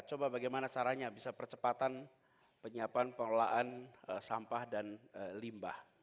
coba bagaimana caranya bisa percepatan penyiapan pengelolaan sampah dan limbah